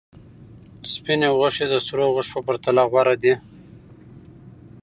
سپینې غوښې د سرو غوښو په پرتله غوره دي.